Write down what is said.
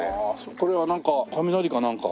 これはなんか雷かなんか？